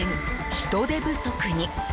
人手不足に。